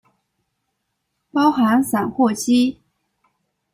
包含散货机。